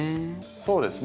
そうですね。